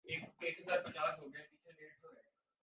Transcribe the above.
اس کے بعد ہی اسے جائز کہا جا سکتا ہے